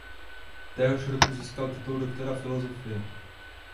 Téhož roku získal titul doktora filozofie.